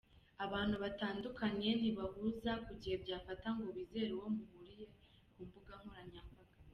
Abantu batandukanye ntibahuza ku gihe byafata ngo wizere uwo muhuriye ku mbuga nkoranyambaga.